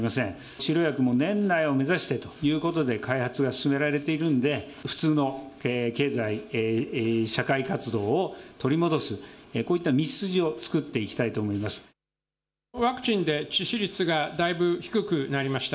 治療薬も年内を目指してということで開発が進められているんで、普通の経済、社会活動を取り戻す、こういった道筋を作っていきたいワクチンで致死率がだいぶ低くなりました。